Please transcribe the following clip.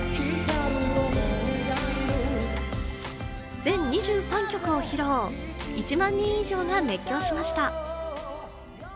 全２３曲を披露、１万人以上が熱狂しました。